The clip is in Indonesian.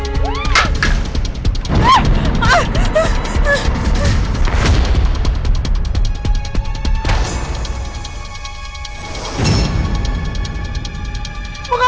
mau ngapain pergi